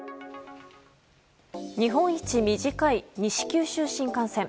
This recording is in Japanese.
日本一短い西九州新幹線。